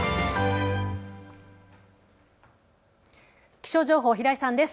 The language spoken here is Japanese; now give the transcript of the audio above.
気象情報、平井さんです。